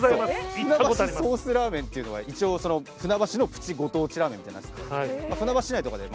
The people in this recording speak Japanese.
船橋ソースラーメンっていうのが一応船橋のプチご当地ラーメンみたいになってて。